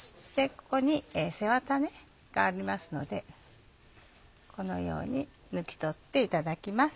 ここに背ワタがありますのでこのように抜き取っていただきます。